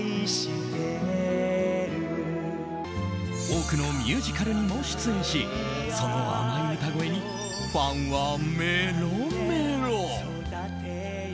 多くのミュージカルにも出演しその甘い歌声にファンはメロメロ。